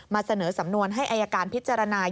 เสนอสำนวนให้อายการพิจารณา